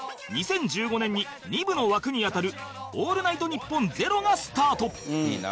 ２０１５年に２部の枠に当たる『オールナイトニッポン０』がスタート